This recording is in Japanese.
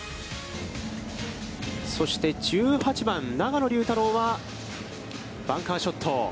そして１８番、永野竜太郎はバンカーショット。